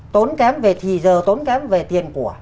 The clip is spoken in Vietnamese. tốn kém về thì giờ tốn kém về tiền của